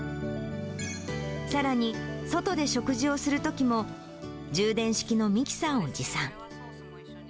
さらに、外で食事をするときも、充電式のミキサーを持参。